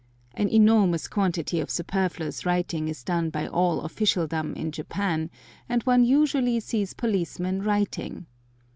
An enormous quantity of superfluous writing is done by all officialdom in Japan, and one usually sees policemen writing.